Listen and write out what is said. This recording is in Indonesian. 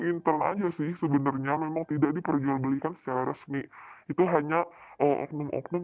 intern aja sih sebenarnya memang tidak diperjualbelikan secara resmi itu hanya oknum oknum